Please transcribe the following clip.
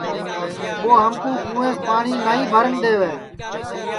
ٻو ہمکُو کُونٚویس پاٹؔی نائی بھرن دے وے